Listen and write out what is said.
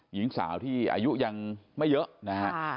หญิงสาวที่อายุยังไม่เยอะนะฮะ